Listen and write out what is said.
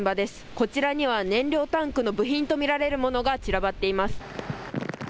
こちらには燃料タンクの部品と見られるものが散らばっています。